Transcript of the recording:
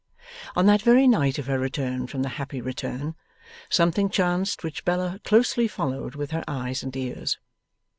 On that very night of her return from the Happy Return, something chanced which Bella closely followed with her eyes and ears.